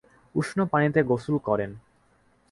উষ্ণ পানিতে গোসল করেন।